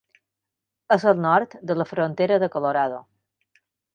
És al nord de la frontera de Colorado.